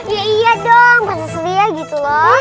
ya iya dong pasal selia gitu loh